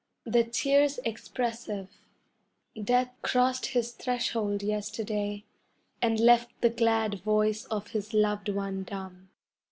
THE TEARS EXPRESSIVE Death crossed his threshold yesterday And left the glad voice of his loved one dumb.